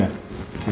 mas mau jatuh